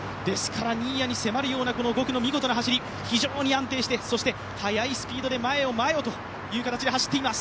新谷に迫るような５区の見事な走り、非常に安定してそして速いスピードで前を前をという形で走っています。